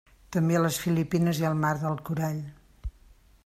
També a les Filipines i al Mar del Corall.